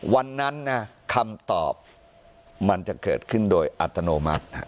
วันนั้นนะคำตอบมันจะเกิดขึ้นโดยอัตโนมัติ